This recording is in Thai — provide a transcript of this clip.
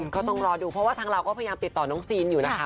ก็ต้องรอดูเพราะว่าทางเราก็พยายามติดต่อน้องซีนอยู่นะคะ